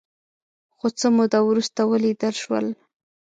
خو څه موده وروسته ولیدل شول